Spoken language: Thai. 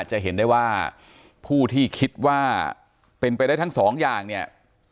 จะเห็นได้ว่าผู้ที่คิดว่าเป็นไปได้ทั้งสองอย่างเนี่ย